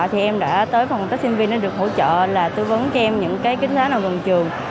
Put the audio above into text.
thì em đã tới phòng tác sinh viên để được hỗ trợ là tư vấn cho em những cái kỹ thuật xá nào gần trường